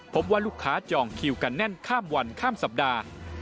พบว่าลูกค้าจองคิวกันแน่นข้ามวันข้ามสัปดาห์